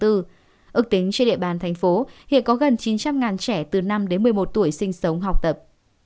ước tính trên địa bàn tp hcm hiện có gần chín trăm linh trẻ từ năm một mươi một tuổi sinh sống học tập